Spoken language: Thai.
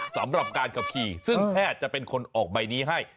สำหรับการขับขี่ซึ่งแพทย์จะเป็นคนออกใบนี้ให้